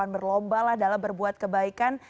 berlomba adalah berbuat kebaikan